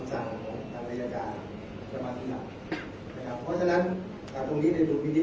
กระทุนความรู้สึกที่ด้านการสอบส่วนเนี้ยแปลกพี่ผมบอกมาแล้วนะครับว่า